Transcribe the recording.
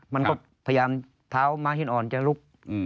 มันก็พยายามเท้าม้าหินอ่อนจะลุก